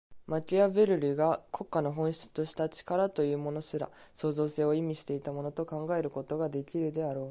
マキアヴェルリが国家の本質とした「力」というものすら、創造性を意味していたものと考えることができるであろう。